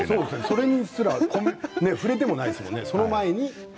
それに触れてもないですもんね。